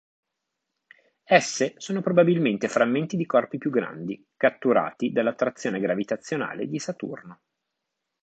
Esse sono probabilmente frammenti di corpi più grandi catturati dall'attrazione gravitazionale di Saturno.